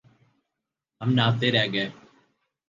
ہم نہتے رہ گئے۔